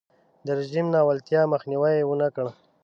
د رژیم ناولتیاوو مخنیوی یې ونکړ.